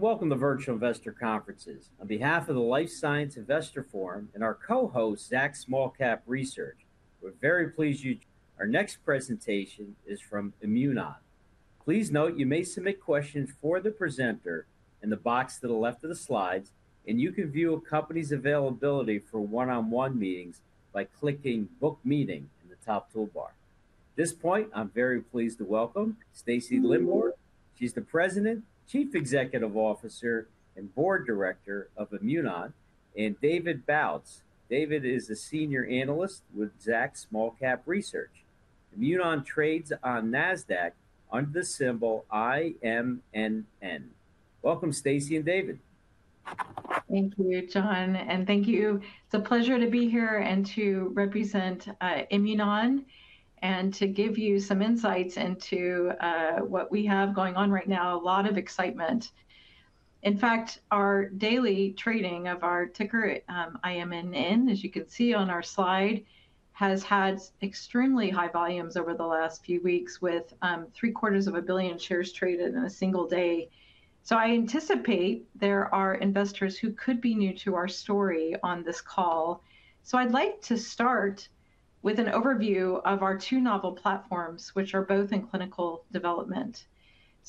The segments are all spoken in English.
Welcome to Virtual Investor Conferences. On behalf of the Life Science Investor Forum and our co-host, Zacks Small Cap Research, we're very pleased you. Our next presentation is from Imunon. Please note you may submit questions for the presenter in the box to the left of the slides, and you can view a company's availability for one-on-one meetings by clicking "Book Meeting" in the top toolbar. At this point, I'm very pleased to welcome Stacy Lindborg. She's the President, Chief Executive Officer, and Board Director of Imunon, and David Bautz. David is a Senior Analyst with Zacks Small Cap Research. Imunon trades on NASDAQ under the symbol IMNN. Welcome, Stacey and David. Thank you, John, and thank you. It's a pleasure to be here and to represent Imunon and to give you some insights into what we have going on right now. A lot of excitement. In fact, our daily trading of our ticker IMNN, as you can see on our slide, has had extremely high volumes over the last few weeks, with three-quarters of a billion shares traded in a single day. I anticipate there are investors who could be new to our story on this call. I'd like to start with an overview of our two novel platforms, which are both in clinical development.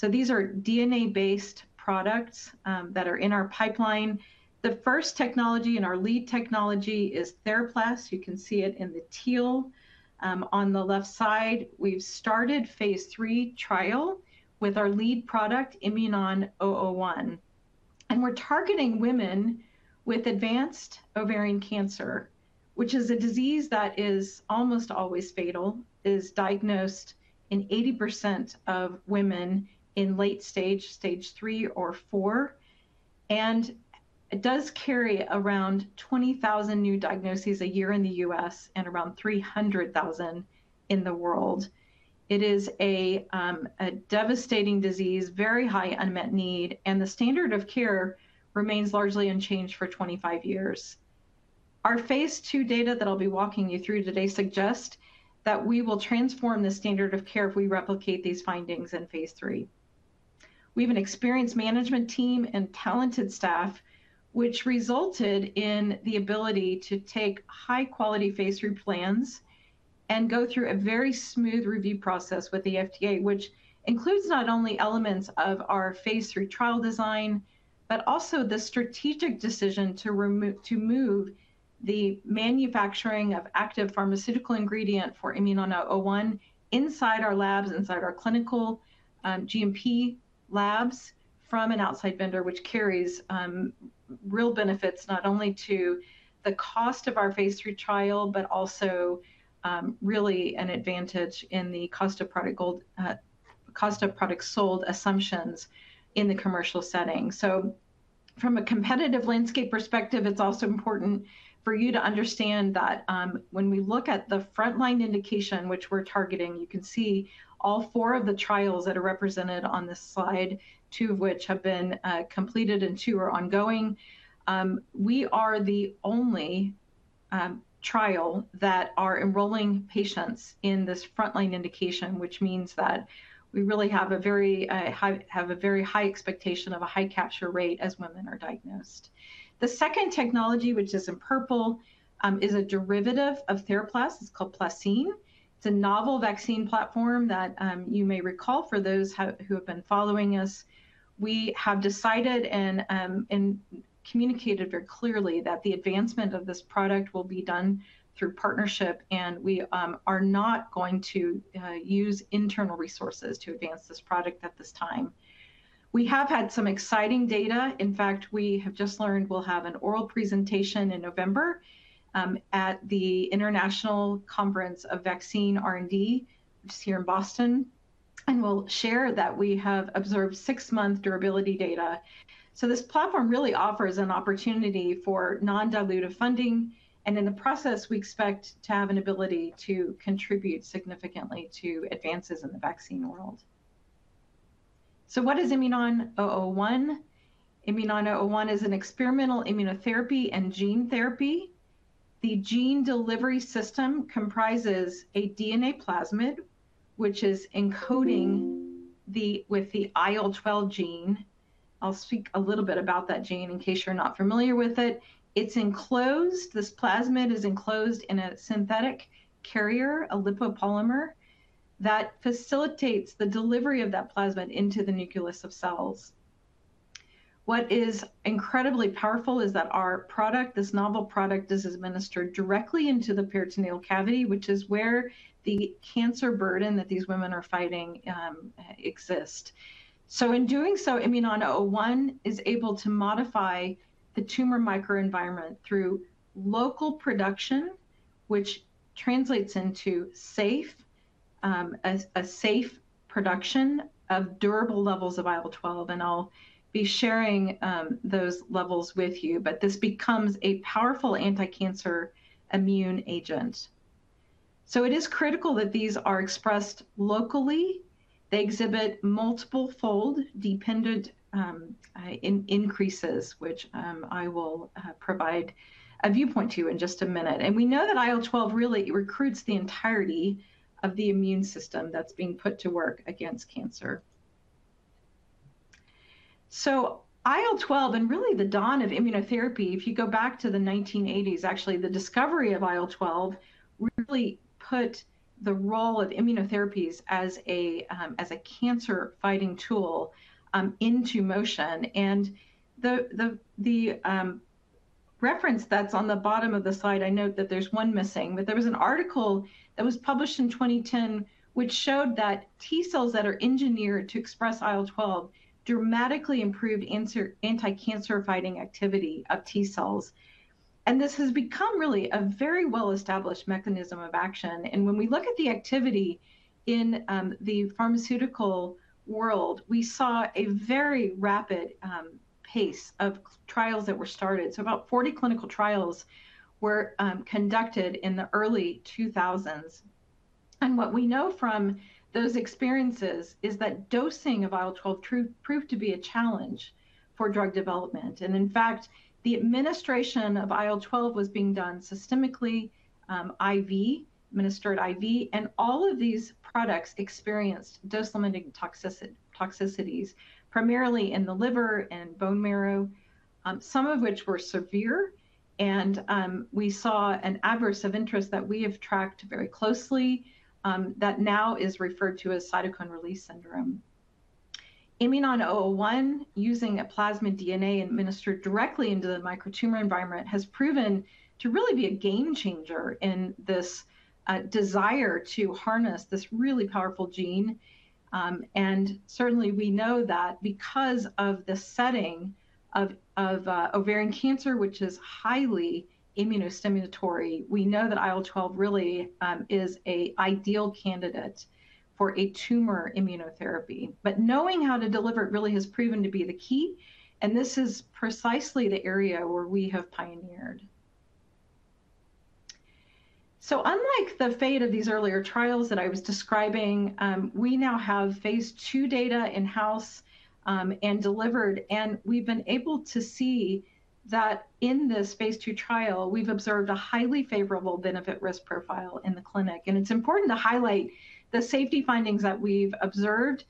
These are DNA-based products that are in our pipeline. The first technology and our lead technology is TheraPlas. You can see it in the teal on the left side. We've started phase III trial with our lead product, IMNN-001. We are targeting women with advanced ovarian cancer, which is a disease that is almost always fatal, is diagnosed in 80% of women in late stage, stage three or four. It does carry around 20,000 new diagnoses a year in the U.S. and around 300,000 in the world. It is a devastating disease, very high unmet need, and the standard of care remains largely unchanged for 25 years. Our phase II data that I'll be walking you through today suggests that we will transform the standard of care if we replicate these findings in phase III. We have an experienced management team and talented staff, which resulted in the ability to take high-quality phase three plans and go through a very smooth review process with the FDA, which includes not only elements of our phase III trial design, but also the strategic decision to move the manufacturing of active pharmaceutical ingredient for IMNN-001 inside our labs, inside our clinical GMP labs from an outside vendor, which carries real benefits not only to the cost of our phase III trial, but also really an advantage in the cost of product sold assumptions in the commercial setting. From a competitive landscape perspective, it's also important for you to understand that when we look the frontline indication, which we're targeting, you can see all four of the trials that are represented on this slide, two of which have been completed and two are ongoing. We are the only trial that are enrolling patients in this frontline indication, which means that we really have a very high expectation of a high capture rate as women are diagnosed. The second technology, which is in purple, is a derivative of TheraPlas. It's called PlaCCine. It's a novel vaccine platform that you may recall for those who have been following us. We have decided and communicated very clearly that the advancement of this product will be done through partnership, and we are not going to use internal resources to advance this product at this time. We have had some exciting data. In fact, we have just learned we'll have an oral presentation in November at the International Conference on Vaccine Research & Development here in Boston, and we'll share that we have observed six-month durability data. This platform really offers an opportunity for non-dilutive funding, and in the process, we expect to have an ability to contribute significantly to advances in the vaccine world. What is IMNN-001? IMNN-001 is an experimental immunotherapy and gene therapy. The gene delivery system comprises a DNA plasmid, which is encoding with the IL-12 gene. I'll speak a little bit about that gene in case you're not familiar with it. This plasmid is enclosed in a synthetic carrier, a lipopolymer, that facilitates the delivery of that plasmid into the nucleus of cells. What is incredibly powerful is that our product, this novel product, is administered directly into the peritoneal cavity, which is where the cancer burden that these women are fighting exists. In doing so, IMNN-001 is able to modify the tumor microenvironment through local production, which translates into a safe production of durable levels of IL-12, and I'll be sharing those levels with you. This becomes a powerful anti-cancer immune agent. It is critical that these are expressed locally. They exhibit multiple-fold dependent increases, which I will provide a viewpoint to you in just a minute. We know that IL-12 really recruits the entirety of the immune system that's being put to work against cancer. IL-12 and really the dawn of immunotherapy, if you go back to the 1980s, actually the discovery of IL-12 really put the role of immunotherapies as a cancer-fighting tool into motion. The reference that's on the bottom of the slide, I note that there's one missing, but there was an article that was published in 2010, which showed that T cells that are engineered to express IL-12 dramatically improved anti-cancer fighting activity of T cells. This has become really a very well-established mechanism of action. When we look at the activity in the pharmaceutical world, we saw a very rapid pace of trials that were started. About 40 clinical trials were conducted in the early 2000s. What we know from those experiences is that dosing of IL-12 proved to be a challenge for drug development. In fact, the administration of IL-12 was being done systemically, administered IV, and all of these products experienced dose-limiting toxicities, primarily in the liver and bone marrow, some of which were severe. We saw an adverse of interest that we have tracked very closely that now is referred to as cytokine release syndrome. IMNN-001, using a plasmid DNA administered directly into the microtumor environment, has proven to really be a game changer in this desire to harness this really powerful gene. Certainly, we know that because of the setting of ovarian cancer, which is highly immunostimulatory, we know that IL-12 really is an ideal candidate for a tumor immunotherapy. Knowing how to deliver it really has proven to be the key, and this is precisely the area where we have pioneered. Unlike the fate of these earlier trials that I was describing, we now have phase II data in-house and delivered, and we've been able to see that in this phase II trial, we've observed a highly favorable benefit risk profile in the clinic. It is important to highlight the safety findings that we've observed,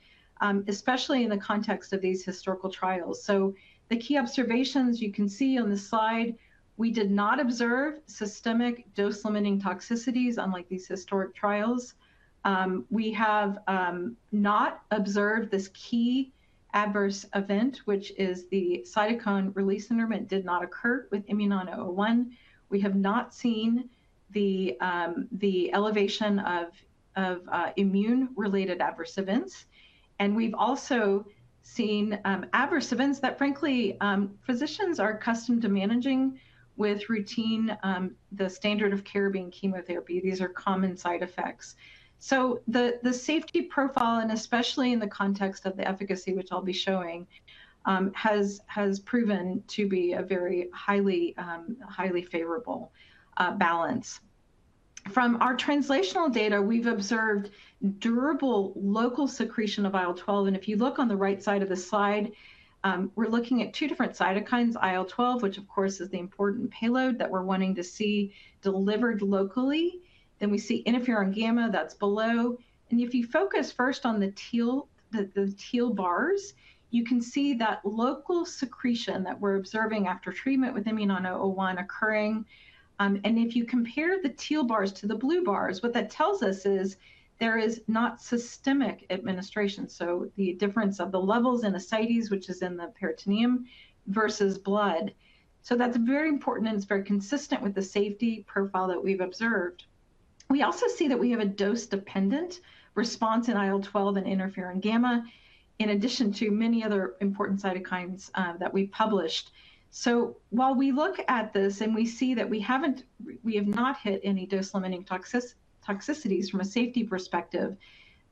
especially in the context of these historical trials. The key observations you can see on the slide, we did not observe systemic dose-limiting toxicities unlike these historic trials. We have not observed this key adverse event, which is the cytokine release syndrome, and it did not occur with IMNN-001. We have not seen the elevation of immune-related adverse events. We've also seen adverse events that, frankly, physicians are accustomed to managing with routine, the standard of care being chemotherapy. These are common side effects. The safety profile, and especially in the context of the efficacy, which I'll be showing, has proven to be a very highly favorable balance. From our translational data, we've observed durable local secretion of IL-12. If you look on the right side of the slide, we're looking at two different cytokines, IL-12, which of course is the important payload that we're wanting to see delivered locally. We see interferon gamma, that's below. If you focus first on the teal bars, you can see that local secretion that we're observing after treatment with IMNN-001 occurring. If you compare the teal bars to the blue bars, what that tells us is there is not systemic administration. The difference of the levels in ascites, which is in the peritoneum, versus blood. That's very important and it's very consistent with the safety profile that we've observed. We also see that we have a dose-dependent response in IL-12 and interferon gamma, in addition to many other important cytokines that we published. While we look at this and we see that we have not hit any dose-limiting toxicities from a safety perspective,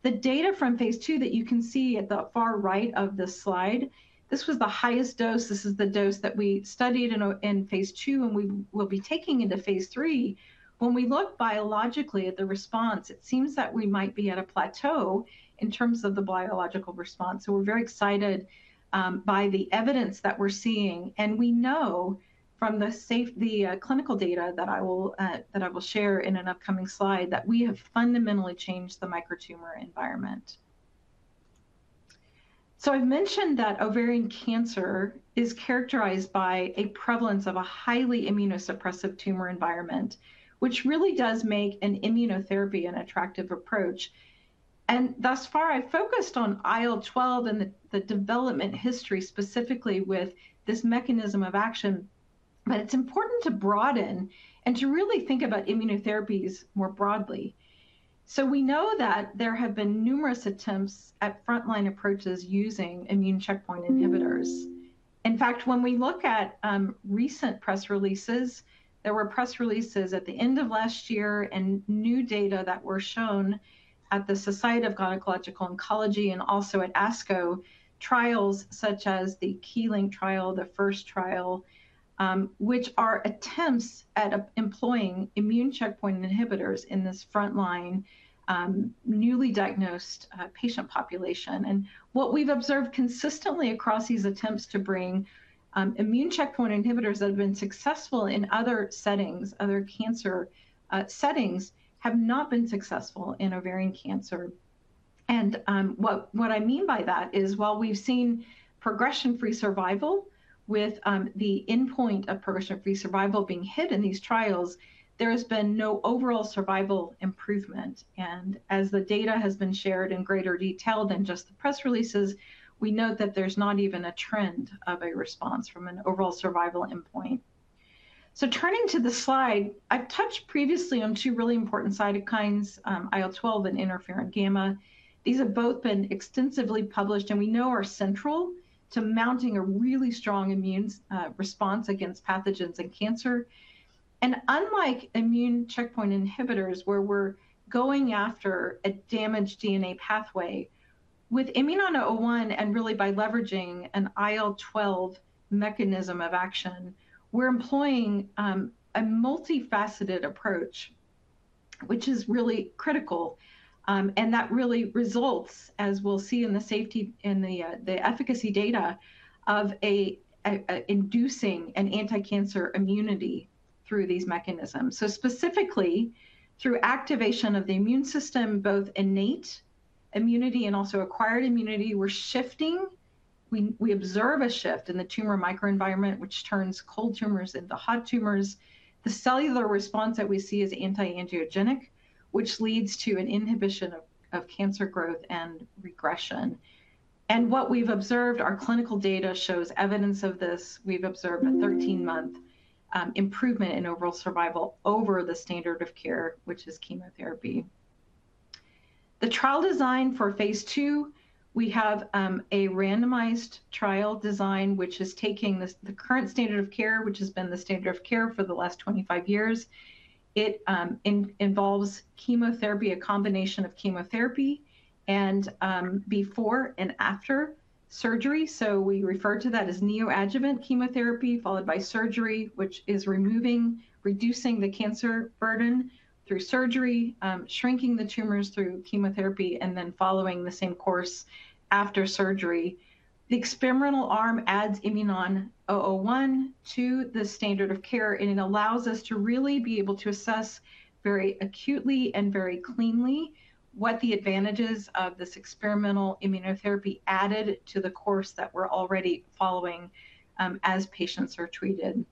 the data from phase II that you can see at the far right of the slide, this was the highest dose. This is the dose that we studied in phase II and we will be taking into phase III. When we look biologically at the response, it seems that we might be at a plateau in terms of the biological response. We are very excited by the evidence that we are seeing. We know from the clinical data that I will share in an upcoming slide that we have fundamentally changed the microtumor environment. I have mentioned that ovarian cancer is characterized by a prevalence of a highly immunosuppressive tumor environment, which really does make an immunotherapy an attractive approach. Thus far, I focused on IL-12 and the development history specifically with this mechanism of action, but it's important to broaden and to really think about immunotherapies more broadly. We know that there have been numerous attempts at frontline approaches using immune checkpoint inhibitors. In fact, when we look at recent press releases, there were press releases at the end of last year and new data that were shown at the Society of Gynecologic Oncology and also at ASCO trials such as the Key Link trial, the first trial, which are attempts at employing immune checkpoint inhibitors in this frontline newly diagnosed patient population. What we've observed consistently across these attempts to bring immune checkpoint inhibitors that have been successful in other settings, other cancer settings, have not been successful in ovarian cancer. What I mean by that is while we've seen progression-free survival with the endpoint of progression-free survival being hit in these trials, there has been no overall survival improvement. As the data has been shared in greater detail than just the press releases, we note that there's not even a trend of a response from an overall survival endpoint. Turning to the slide, I've touched previously on two really important cytokines, IL-12 and interferon gamma. These have both been extensively published and we know are central to mounting a really strong immune response against pathogens and cancer. Unlike immune checkpoint inhibitors where we're going after a damaged DNA pathway, with IMNN-001 and really by leveraging an IL-12 mechanism of action, we're employing a multifaceted approach, which is really critical. That really results, as we'll see in the safety and the efficacy data, of inducing an anti-cancer immunity through these mechanisms. Specifically, through activation of the immune system, both innate immunity and also acquired immunity, we're shifting. We observe a shift in the tumor microenvironment, which turns cold tumors into hot tumors. The cellular response that we see is anti-angiogenic, which leads to an inhibition of cancer growth and regression. What we've observed, our clinical data shows evidence of this. We've observed a 13-month improvement in overall survival over the standard of care, which is chemotherapy. The trial design for phase II, we have a randomized trial design, which is taking the current standard of care, which has been the standard of care for the last 25 years. It involves chemotherapy, a combination of chemotherapy and before and after surgery. We refer to that as neoadjuvant chemotherapy followed by surgery, which is removing, reducing the cancer burden through surgery, shrinking the tumors through chemotherapy, and then following the same course after surgery. The experimental arm adds IMNN-001 to the standard of care, and it allows us to really be able to assess very acutely and very cleanly what the advantages of this experimental immunotherapy added to the course that we're already following as patients are treated.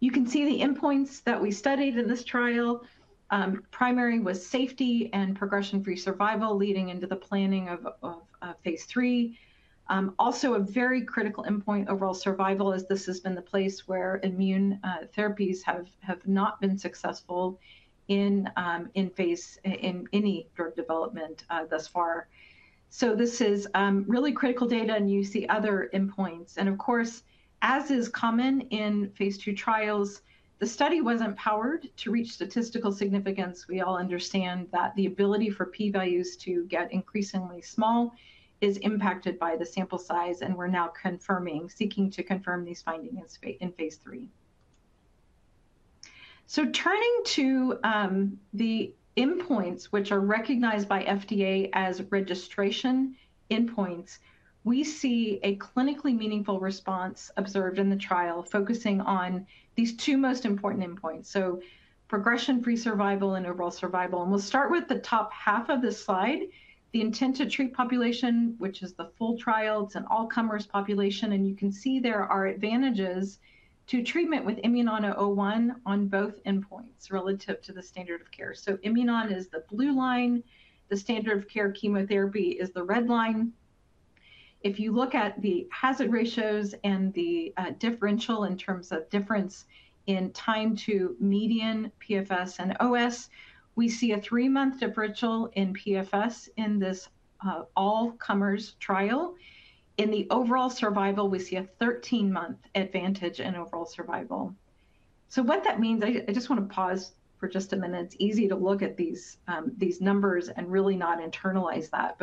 You can see the endpoints that we studied in this trial. Primary was safety and progression-free survival leading into the planning of phase III. Also, a very critical endpoint, overall survival, as this has been the place where immune therapies have not been successful in any drug development thus far. This is really critical data, and you see other endpoints. Of course, as is common in phase II trials, the study was not powered to reach statistical significance. We all understand that the ability for p-values to get increasingly small is impacted by the sample size, and we are now seeking to confirm these findings in phase III. Turning to the endpoints, which are recognized by FDA as registration endpoints, we see a clinically meaningful response observed in the trial focusing on these two most important endpoints: progression-free survival and overall survival. We will start with the top half of the slide, the intent to treat population, which is the full trial. It is an all-comers population. You can see there are advantages to treatment with IMNN-001 on both endpoints relative to the standard of care. IMNN is the blue line. The standard of care chemotherapy is the red line. If you look at the hazard ratios and the differential in terms of difference in time to median PFS and OS, we see a three-month differential in PFS in this all-comers trial. In the overall survival, we see a 13-month advantage in overall survival. What that means, I just want to pause for just a minute. It's easy to look at these numbers and really not internalize that.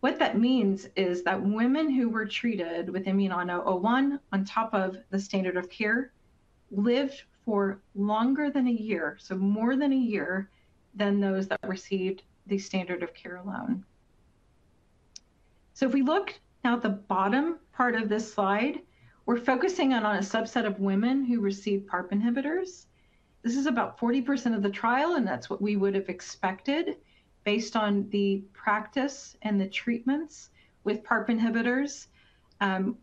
What that means is that women who were treated with IMNN-001 on top of the standard of care lived for longer than a year, so more than a year than those that received the standard of care alone. If we look at the bottom part of this slide, we're focusing on a subset of women who received PARP inhibitors. This is about 40% of the trial, and that's what we would have expected based on the practice and the treatments with PARP inhibitors.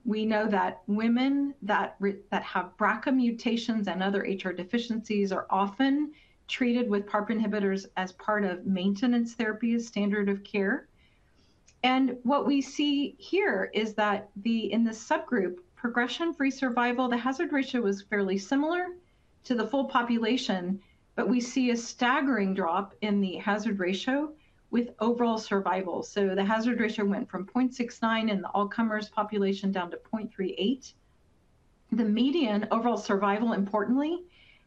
We know that women that have BRCA mutations and other HR deficiencies are often treated with PARP inhibitors as part of maintenance therapy as standard of care. What we see here is that in the subgroup, progression-free survival, the hazard ratio was fairly similar to the full population, but we see a staggering drop in the hazard ratio with overall survival. The hazard ratio went from 0.69 in the all-comers population down to 0.38. The median overall survival, importantly,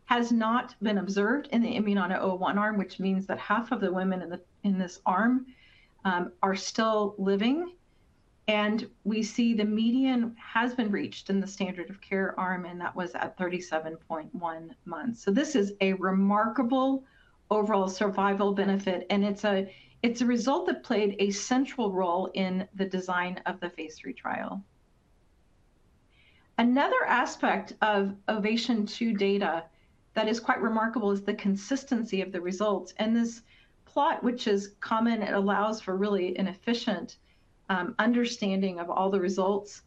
has not been observed in the IMNN-001 arm, which means that half of the women in this arm are still living. We see the median has been reached in the standard of care arm, and that was at 37.1 months. This is a remarkable overall survival benefit, and it's a result that played a central role in the design of the phase III trial. Another aspect of OVATION 2 data that is quite remarkable is the consistency of the results. This plot, which is common, allows for really an efficient understanding of all the results,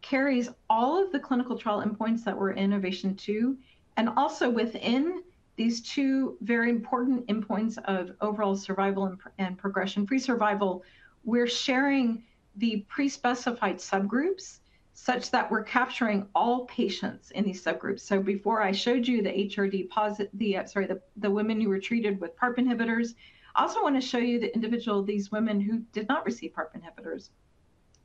carries all of the clinical trial endpoints that were in OVATION 2, and also within these two very important endpoints of overall survival and progression-free survival, we're sharing the pre-specified subgroups such that we're capturing all patients in these subgroups. Before I showed you the HRD, sorry, the women who were treated with PARP inhibitors, I also want to show you the individual of these women who did not receive PARP inhibitors.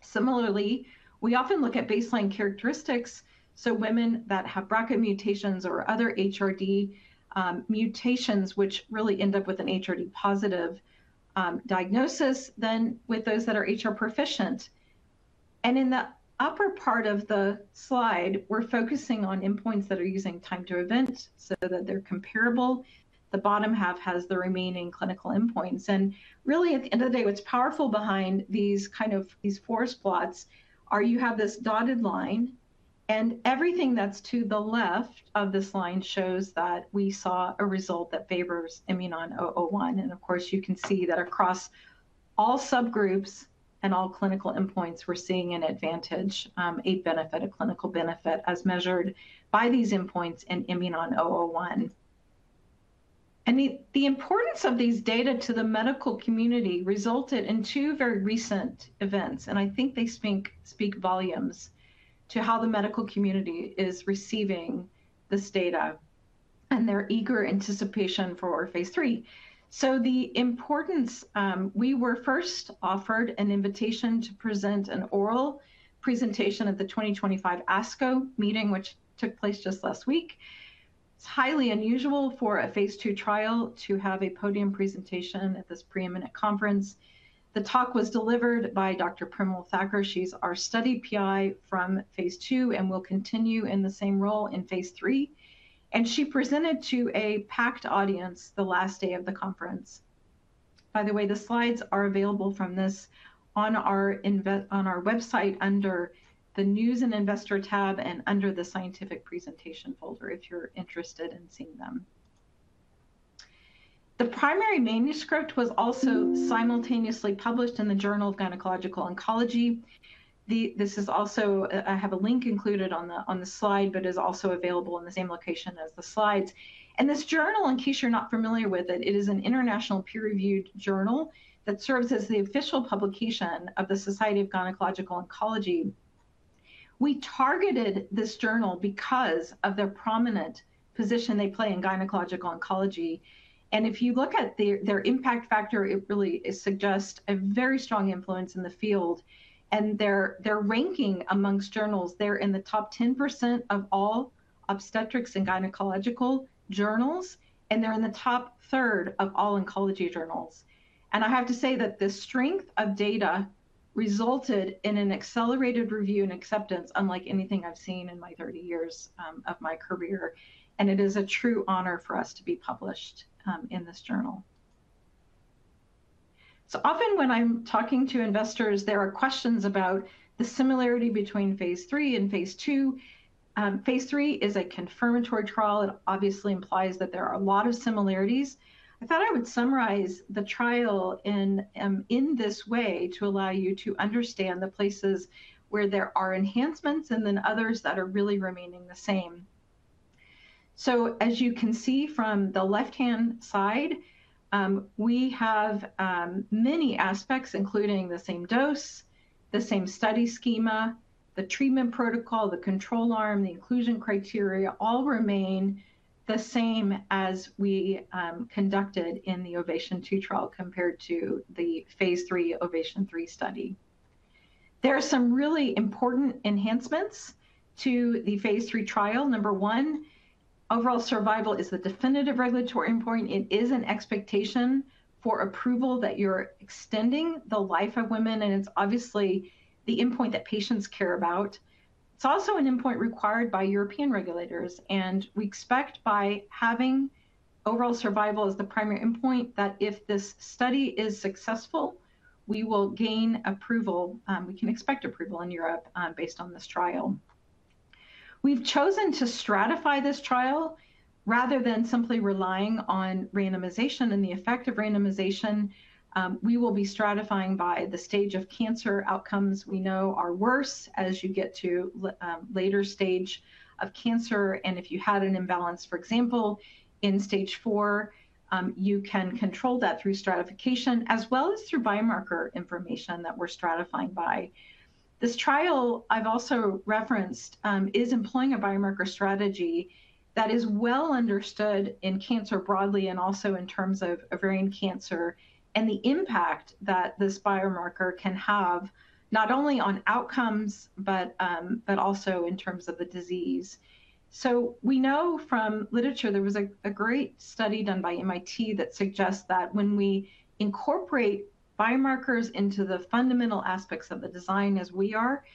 Similarly, we often look at baseline characteristics. Women that have BRCA mutations or other HRD mutations, which really end up with an HRD positive diagnosis, then with those that are HR proficient. In the upper part of the slide, we're focusing on endpoints that are using time to event so that they're comparable. The bottom half has the remaining clinical endpoints. Really, at the end of the day, what's powerful behind these kind of these force plots are you have this dotted line, and everything that's to the left of this line shows that we saw a result that favors IMNN-001. Of course, you can see that across all subgroups and all clinical endpoints, we're seeing an advantage, a benefit, a clinical benefit as measured by these endpoints in IMNN-001. The importance of these data to the medical community resulted in two very recent events, and I think they speak volumes to how the medical community is receiving this data, and their eager anticipation for phase III. The importance, we were first offered an invitation to present an oral presentation at the 2025 ASCO meeting, which took place just last week. It is highly unusual for a phase II trial to have a podium presentation at this preeminent conference. The talk was delivered by Dr. Premal Thacker. She is our study PI from phase II and will continue in the same role in phase III. She presented to a packed audience the last day of the conference. By the way, the slides are available from this on our website under the news and investor tab and under the scientific presentation folder if you are interested in seeing them. The primary manuscript was also simultaneously published in the Journal of Gynecologic Oncology. This is also, I have a link included on the slide, but is also available in the same location as the slides. This journal, in case you're not familiar with it, it is an international peer-reviewed journal that serves as the official publication of the Society of Gynecologic Oncology. We targeted this journal because of the prominent position they play in gynecologic oncology. If you look at their impact factor, it really suggests a very strong influence in the field. Their ranking amongst journals, they're in the top 10% of all obstetrics and gynecologic journals, and they're in the top third of all oncology journals. I have to say that the strength of data resulted in an accelerated review and acceptance, unlike anything I've seen in my 30 years of my career. It is a true honor for us to be published in this journal. So often when I'm talking to investors, there are questions about the similarity between phase III and phase II. Phase III is a confirmatory trial. It obviously implies that there are a lot of similarities. I thought I would summarize the trial in this way to allow you to understand the places where there are enhancements and then others that are really remaining the same. As you can see from the left-hand side, we have many aspects, including the same dose, the same study schema, the treatment protocol, the control arm, the inclusion criteria all remain the same as we conducted in the OVATION 2 trial compared to the phase III OVATION 3 study. There are some really important enhancements to the phase III trial. Number one, overall survival is the definitive regulatory endpoint. It is an expectation for approval that you're extending the life of women, and it's obviously the endpoint that patients care about. It's also an endpoint required by European regulators, and we expect by having overall survival as the primary endpoint that if this study is successful, we will gain approval. We can expect approval in Europe based on this trial. We've chosen to stratify this trial rather than simply relying on randomization and the effect of randomization. We will be stratifying by the stage of cancer outcomes we know are worse as you get to a later stage of cancer. If you had an imbalance, for example, in stage four, you can control that through stratification as well as through biomarker information that we're stratifying by. This trial I've also referenced is employing a biomarker strategy that is well understood in cancer broadly and also in terms of ovarian cancer and the impact that this biomarker can have not only on outcomes, but also in terms of the disease. We know from literature, there was a great study done by MIT that suggests that when we incorporate biomarkers into the fundamental aspects of the design as we are,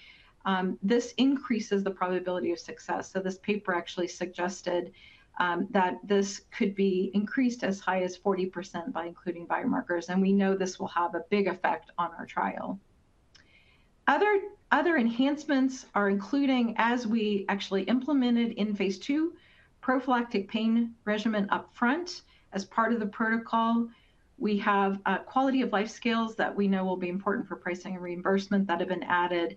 this increases the probability of success. This paper actually suggested that this could be increased as high as 40% by including biomarkers. We know this will have a big effect on our trial. Other enhancements are including, as we actually implemented in phase II, prophylactic pain regimen upfront as part of the protocol. We have quality of life scales that we know will be important for pricing and reimbursement that have been added.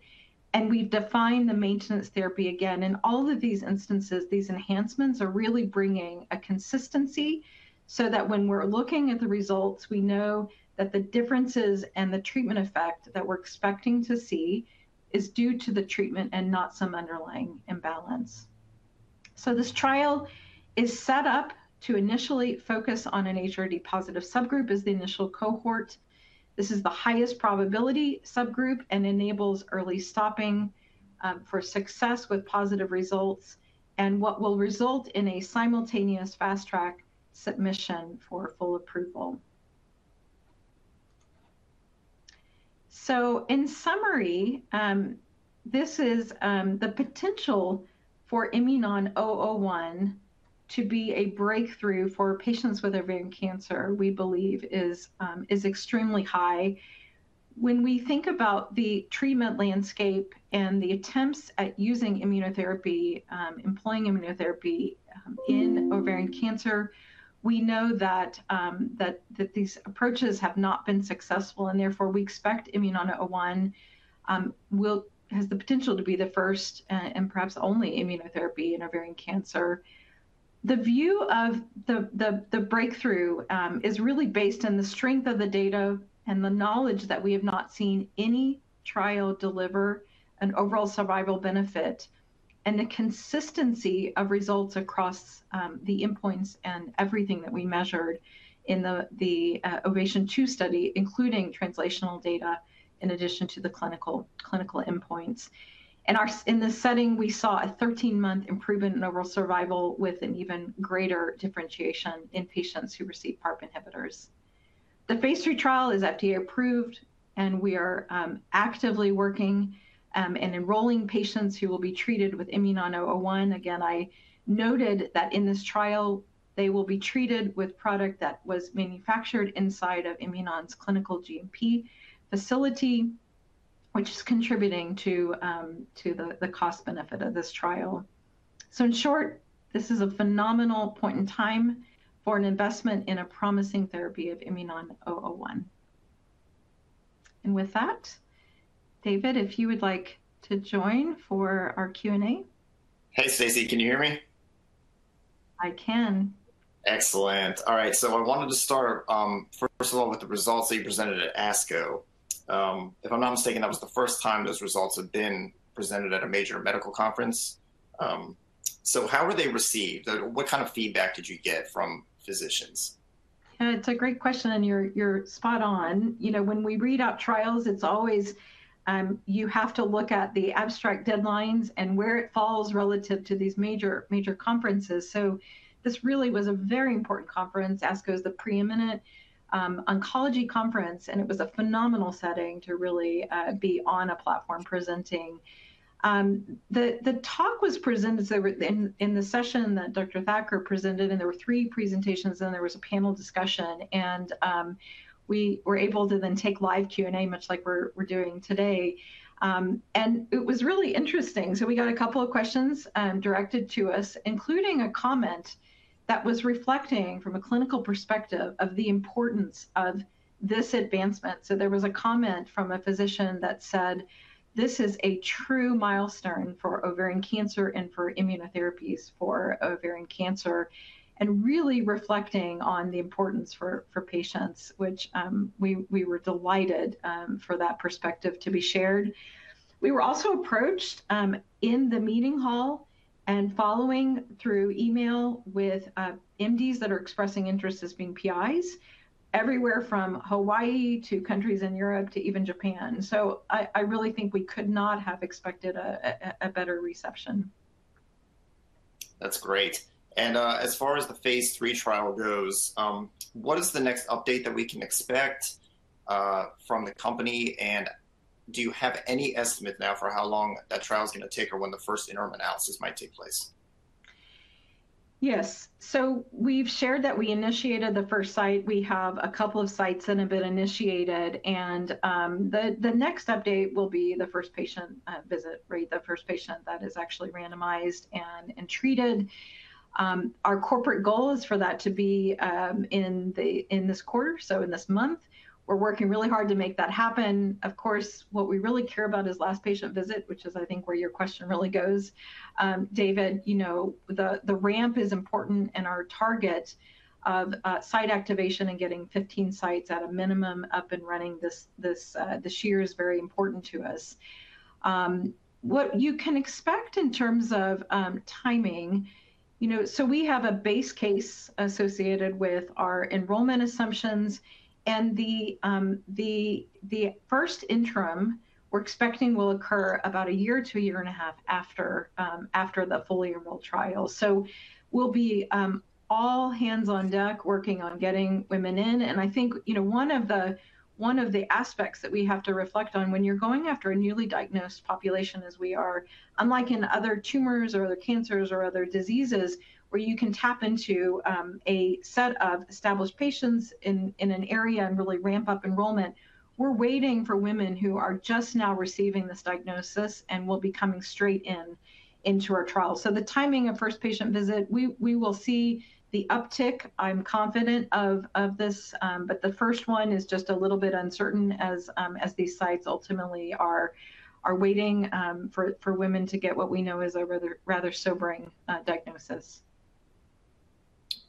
We've defined the maintenance therapy again. In all of these instances, these enhancements are really bringing a consistency so that when we're looking at the results, we know that the differences and the treatment effect that we're expecting to see is due to the treatment and not some underlying imbalance. This trial is set up to initially focus on an HRD positive subgroup as the initial cohort. This is the highest probability subgroup and enables early stopping for success with positive results and what will result in a simultaneous fast track submission for full approval. In summary, the potential for IMNN-001 to be a breakthrough for patients with ovarian cancer, we believe, is extremely high. When we think about the treatment landscape and the attempts at using immunotherapy, employing immunotherapy in ovarian cancer, we know that these approaches have not been successful, and therefore we expect IMNN-001 has the potential to be the first and perhaps only immunotherapy in ovarian cancer. The view of the breakthrough is really based on the strength of the data and the knowledge that we have not seen any trial deliver an overall survival benefit and the consistency of results across the endpoints and everything that we measured in the OVATION 2 study, including translational data in addition to the clinical endpoints. In this setting, we saw a 13-month improvement in overall survival with an even greater differentiation in patients who received PARP inhibitors. The phase III trial is FDA approved, and we are actively working and enrolling patients who will be treated with IMNN-001. Again, I noted that in this trial, they will be treated with product that was manufactured inside of Imunon's clinical GMP facility, which is contributing to the cost benefit of this trial. In short, this is a phenomenal point in time for an investment in a promising therapy of IMNN-001. With that, David, if you would like to join for our Q&A. Hey, Stacy, can you hear me? I can. Excellent. All right. I wanted to start, first of all, with the results that you presented at ASCO. If I'm not mistaken, that was the first time those results had been presented at a major medical conference. How were they received? What kind of feedback did you get from physicians? Yeah, it's a great question, and you're spot on. When we read out trials, it's always you have to look at the abstract deadlines and where it falls relative to these major conferences. This really was a very important conference. ASCO is the preeminent oncology conference, and it was a phenomenal setting to really be on a platform presenting. The talk was presented in the session that Dr. Thacker presented, and there were three presentations, and there was a panel discussion. We were able to then take live Q&A, much like we're doing today. It was really interesting. We got a couple of questions directed to us, including a comment that was reflecting from a clinical perspective of the importance of this advancement. There was a comment from a physician that said, "This is a true milestone for ovarian cancer and for immunotherapies for ovarian cancer," and really reflecting on the importance for patients, which we were delighted for that perspective to be shared. We were also approached in the meeting hall and following through email with MDs that are expressing interest as being PIs everywhere from Hawaii to countries in Europe to even Japan. I really think we could not have expected a better reception. That's great. As far as the phase III trial goes, what is the next update that we can expect from the company? Do you have any estimate now for how long that trial is going to take or when the first interim analysis might take place? Yes. We've shared that we initiated the first site. We have a couple of sites that have been initiated. The next update will be the first patient visit, right? The first patient that is actually randomized and treated. Our corporate goal is for that to be in this quarter, so in this month. We're working really hard to make that happen. Of course, what we really care about is last patient visit, which is, I think, where your question really goes. David, you know the ramp is important and our target of site activation and getting 15 sites at a minimum up and running this year is very important to us. What you can expect in terms of timing, we have a base case associated with our enrollment assumptions. The first interim we're expecting will occur about a year to a year and a half after the fully enrolled trial. We'll be all hands on deck working on getting women in. I think one of the aspects that we have to reflect on when you're going after a newly diagnosed population, as we are, unlike in other tumors or other cancers or other diseases where you can tap into a set of established patients in an area and really ramp up enrollment, we're waiting for women who are just now receiving this diagnosis and will be coming straight into our trial. The timing of first patient visit, we will see the uptick, I'm confident of this. The first one is just a little bit uncertain as these sites ultimately are waiting for women to get what we know is a rather sobering diagnosis.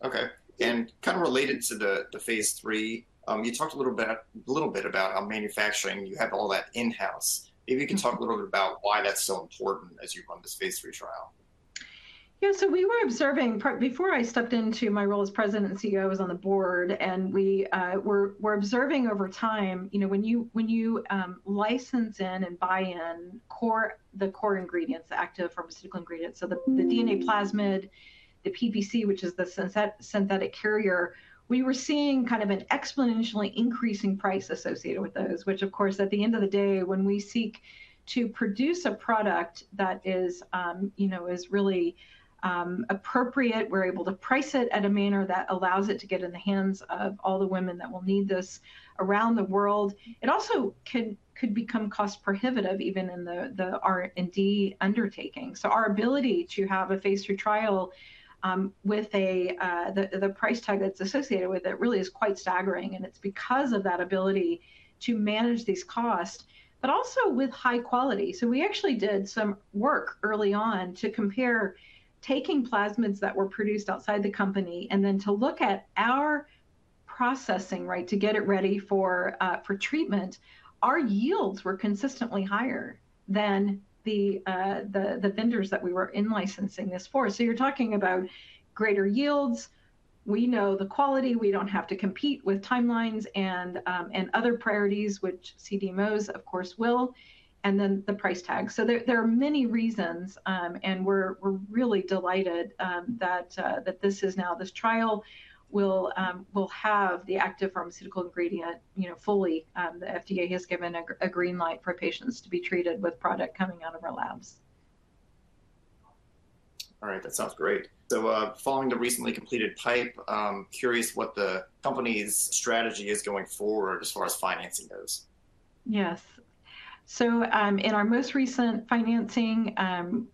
Okay. Kind of related to the phase III, you talked a little bit about how manufacturing, you have all that in-house. Maybe you can talk a little bit about why that's so important as you run this phase III trial. Yeah. We were observing before I stepped into my role as President and CEO, I was on the board, and we were observing over time when you license in and buy in the core ingredients, the active pharmaceutical ingredients. The DNA plasmid, the PPC, which is the synthetic carrier, we were seeing kind of an exponentially increasing price associated with those, which, of course, at the end of the day, when we seek to produce a product that is really appropriate, we're able to price it at a manner that allows it to get in the hands of all the women that will need this around the world. It also could become cost prohibitive even in the R&D undertaking. Our ability to have a phase III trial with the price tag that's associated with it really is quite staggering. It is because of that ability to manage these costs, but also with high quality. We actually did some work early on to compare taking plasmids that were produced outside the company and then to look at our processing, right, to get it ready for treatment. Our yields were consistently higher than the vendors that we were in licensing this for. You're talking about greater yields. We know the quality. We don't have to compete with timelines and other priorities, which CDMOs, of course, will, and then the price tag. There are many reasons, and we're really delighted that this trial will have the active pharmaceutical ingredient fully. The FDA has given a green light for patients to be treated with product coming out of our labs. All right. That sounds great. Following the recently completed pipe, curious what the company's strategy is going forward as far as financing goes. Yes. In our most recent financing,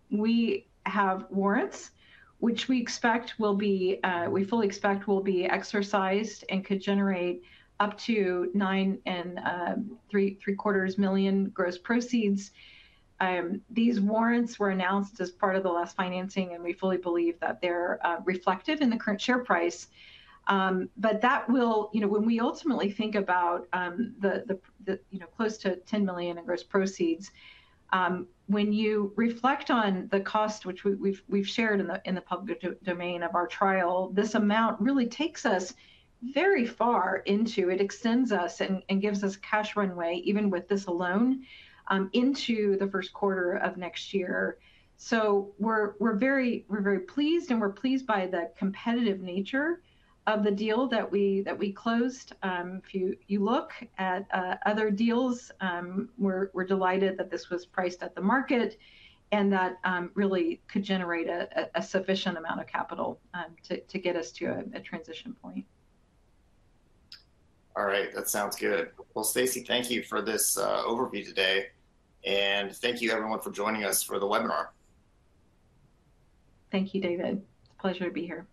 we have warrants, which we expect will be, we fully expect will be exercised and could generate up to $9750,000 million gross proceeds. These warrants were announced as part of the last financing, and we fully believe that they're reflective in the current share price. That will, when we ultimately think about close to $10 million in gross proceeds, when you reflect on the cost, which we've shared in the public domain of our trial, this amount really takes us very far into it, extends us and gives us cash runway, even with this alone, into the first quarter of next year. We are very pleased, and we are pleased by the competitive nature of the deal that we closed. If you look at other deals, we are delighted that this was priced at the market and that really could generate a sufficient amount of capital to get us to a transition point. All right. That sounds good. Stacy, thank you for this overview today. Thank you, everyone, for joining us for the webinar. Thank you, David. It's a pleasure to be here.